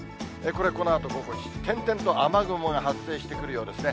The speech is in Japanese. これ、このあと午後７時、点々と雨雲が発生してくるようですね。